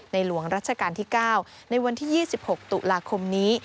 หลวงรัชกาลที่๙ในวันที่๒๖ตุลาคมนี้